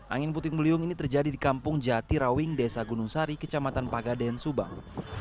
angin puting beliung ini terjadi di kampung jatirawing desa gunung sari kecamatan pagaden subang